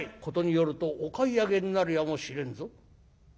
「事によるとお買い上げになるやもしれんぞ」。